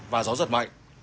và gió giật mạnh